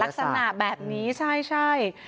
ลักษณะแบบนี้ใช่